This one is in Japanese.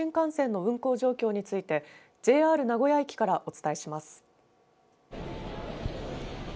続いて東海道新幹線の運行状況についてＪＲ名古屋駅からお伝えします。